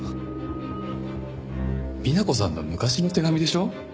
美奈子さんの昔の手紙でしょ？